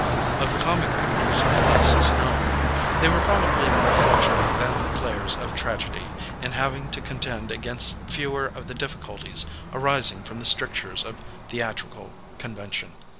Of the comic actors less is known. They were probably more fortunate than the players of tragedy, in having to contend against Digitized by Google EVOLUTION OF THE ACTOR 475 fewer of the difficulties arising from the strictures of theatrical convention.